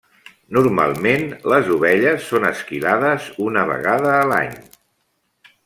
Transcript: Normalment, les ovelles són esquilades una vegada a l'any.